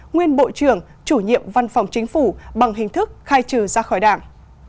nguyên bộ trưởng chủ nhiệm văn phòng chính phủ bằng hình thức khai trừ ra khỏi đảng